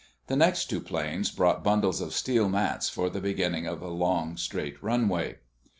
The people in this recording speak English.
The next two planes brought bundles of steel mats for the beginning of a long, straight runway.